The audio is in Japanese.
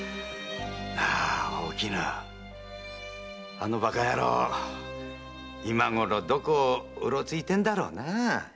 あのバカやろう今ごろどこをうろついてるんだろうなあ。